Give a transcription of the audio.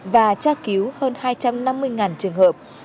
và tra cứu hơn hai trăm năm mươi trường hợp